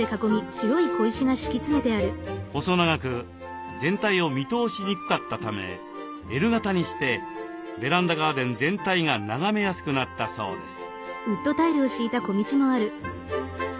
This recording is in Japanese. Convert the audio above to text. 細長く全体を見通しにくかったためＬ形にしてベランダガーデン全体が眺めやすくなったそうです。